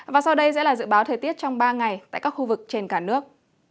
và sau đây sẽ là dự báo thời tiết trong ba ngày tại các khu vực trên cả nước